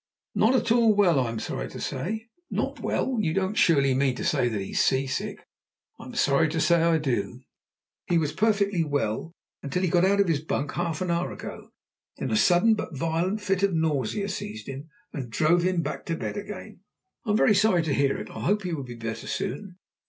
"Not at all well, I am sorry to say." "Not well? You don't surely mean to say that he is sea sick?" "I'm sorry to say I do. He was perfectly well until he got out of his bunk half an hour ago. Then a sudden, but violent, fit of nausea seized him, and drove him back to bed again." "I am very sorry to hear it, I hope he will be better soon.